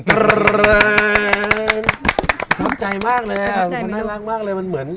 ประถับใจมากเลยอะน่ารักมากเลยมันเหมือน